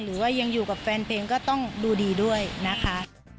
หรือว่ายังอยู่กับแฟนเพลงก็ต้องดูดีด้วยนะคะ